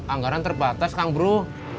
anggaran terbatas kang bro